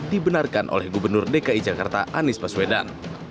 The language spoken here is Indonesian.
dibenarkan oleh gubernur dki jakarta anies baswedan